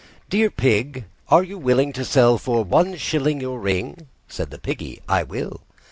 III. "Dear Pig, are you willing to sell for one shilling Your ring?" Said the Piggy, "I will."